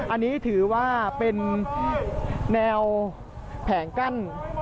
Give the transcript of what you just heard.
อันนี้ถือว่าเป็นแนวแผงกั้น